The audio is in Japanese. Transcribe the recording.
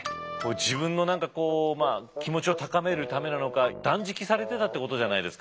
自分の何かこう気持ちを高めるためなのか断食されてたってことじゃないですか。